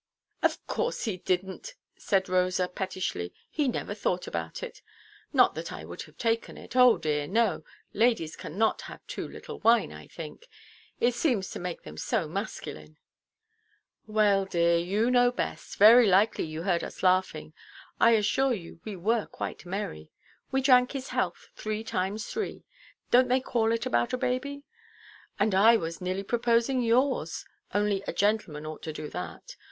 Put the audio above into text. "Of course he didnʼt," said Rosa, pettishly; "he never thought about it. Not that I would have taken it; oh dear no! Ladies cannot have too little wine, I think. It seems to make them so masculine." "Well, dear, you know best. Very likely you heard us laughing. I assure you we were quite merry. We drank his health 'three times threeʼ—donʼt they call it about a baby? And I was nearly proposing yours; only a gentleman ought to do that.